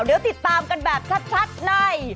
เดี๋ยวติดตามกันแบบชัดใน